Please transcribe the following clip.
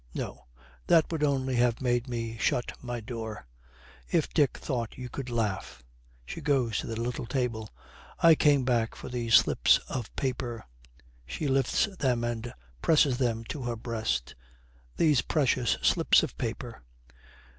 'No, that would only have made me shut my door. If Dick thought you could laugh!' She goes to the little table. 'I came back for these slips of paper.' She lifts them and presses them to her breast. 'These precious slips of paper!'